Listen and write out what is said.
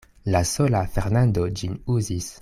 La sola Fernando ĝin uzis.